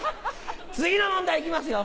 次の問題行きますよ！